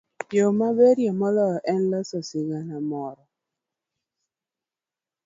Yo maberie moloyo en loso sigana moro.